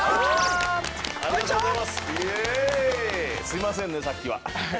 すいませんねさっきは。